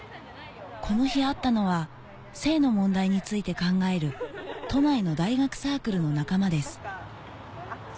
この日会ったのは性の問題について考える都内の大学サークルの仲間です